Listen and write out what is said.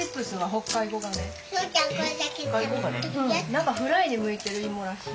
何かフライに向いてる芋らしい。